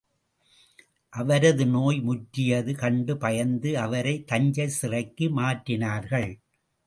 அவரது நோய் முற்றியது கண்டு பயந்து அவரை தஞ்சைச் சிறைக்கு மாற்றினார்கள்.